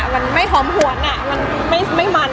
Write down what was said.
มันไม่หอมหวนมันไม่มัน